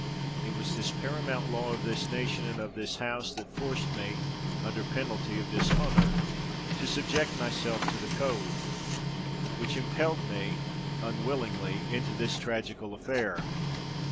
It was this paramount law of this nation and of this House that forced me, under the penalty of dishonour, to subject myself to the code, which impelled me unwillingly into this tragical affair.